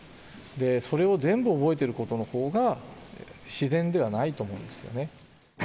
それを全部覚えてることのほうが自然ではないと思うんですよね。